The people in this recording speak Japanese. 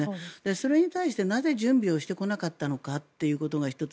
それに対してなぜ準備をしてこなかったのかということが１つ。